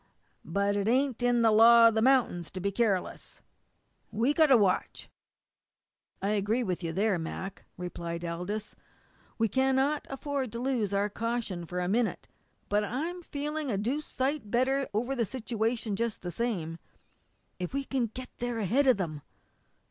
But it ain't in the law of the mount'ins to be careless. We've got to watch." "I agree with you there, Mac," replied Aldous. "We cannot afford to lose our caution for a minute. But I'm feeling a deuced sight better over the situation just the same. If we can only get there ahead of them!"